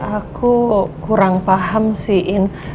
aku kurang paham sih